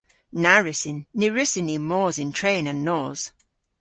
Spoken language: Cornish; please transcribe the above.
Na wrussyn. Ny wrussyn ni mos yn tren an nos.